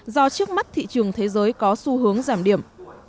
do trước mắt thị trường thế giới có xu hướng giảm điểm